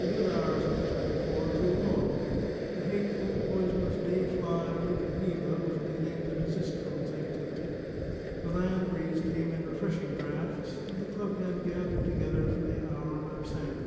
The good hours of the twenty four drew on; the hateful, poisonous day fly of Nukahiva, was beginning to desist from its activity; the land breeze came in refreshing draughts; and the club men gathered together for the hour of absinthe.